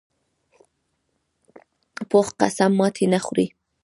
پوخ قسم ماتې نه خوري